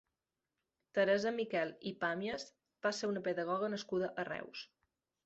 Teresa Miquel i Pàmies va ser una pedagoga nascuda a Reus.